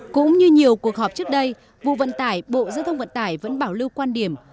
cũng như nhiều cuộc họp trước đây vụ vận tải bộ giao thông vận tải vẫn bảo lưu quan điểm